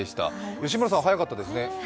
吉村さん、早かったですね。